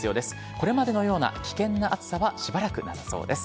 これまでのような危険な暑さはしばらくなさそうです。